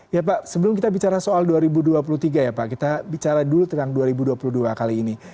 ya pak sebelum kita bicara soal dua ribu dua puluh tiga ya pak kita bicara dulu tentang dua ribu dua puluh dua kali ini